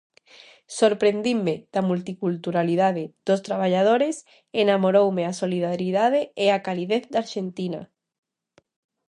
Sorprendinme da multiculturalidade dos traballadores e namoroume a solidariedade e a calidez de Arxentina.